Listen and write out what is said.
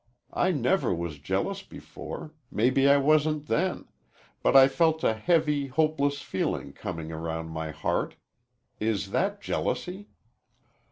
I never was jealous before maybe I wasn't then but I felt a heavy, hopeless feeling coming around my heart. Is that jealousy?"